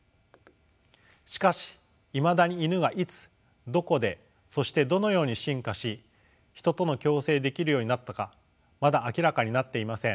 しかしいまだにイヌがいつどこでそしてどのように進化しヒトとの共生できるようになったかまだ明らかになっていません。